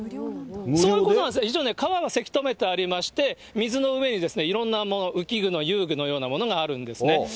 そういうことなんですよ、一応、川はせき止めておりまして、水の上にいろんなもの、浮き具の遊具のようなものがあるんですね。